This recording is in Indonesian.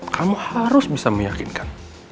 kamu harus bisa meyakinkan